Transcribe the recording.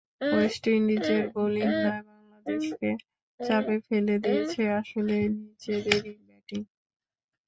West ইন্ডিজের bowling নয়, বাংলাদেশকে চাপে ফেলে দিয়েছে আসলে নিজেদেরই ব্যাটিং।